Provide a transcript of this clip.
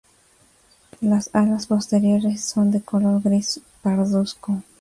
Las alas posteriores son de color gris parduzco.